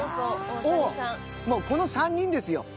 もうこの３人ですよ。